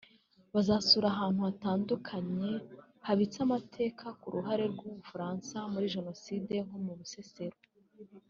Bazasura ahantu hatandukanye habitse amateka ku ruhare rw’u Bufaransa muri jenoside nko mu Bisesero